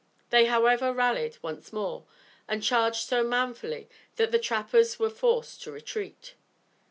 They, however, rallied once more and charged so manfully that the trappers were forced to retreat.